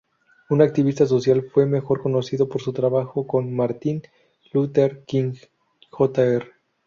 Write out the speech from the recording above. Un activista social, fue mejor conocido por su trabajo con Martin Luther King, Jr..